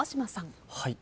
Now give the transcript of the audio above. はい。